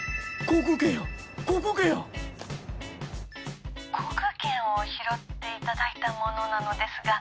航空券を拾っていただいた者なのですが。